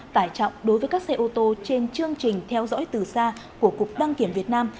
tải trọng đối với các xe ô tô trên chương trình theo dõi từ xa của cục đăng kiểm việt nam